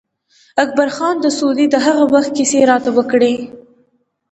اکبر خان د سعودي د هغه وخت کیسې راته وکړې.